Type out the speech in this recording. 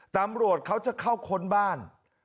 ตำรวจเขาจะเข้าค้นบ้าน